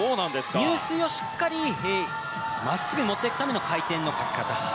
入水をしっかり真っすぐ持っていくための回転のかけ方。